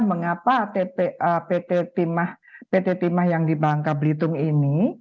mengapa pt timah yang di bangka belitung ini